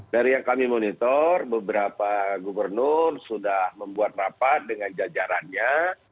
dari yang kami monitor beberapa gubernur sudah membuat rapat dengan jajarannya